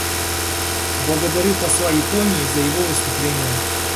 Благодарю посла Японии за его выступление.